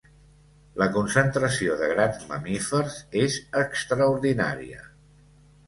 La concentració de grans mamífers és extraordinària.